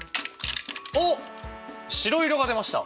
おっ白色が出ました！